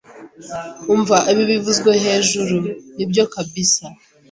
Umva ibi bivuzwe hejuru nibyo kabisa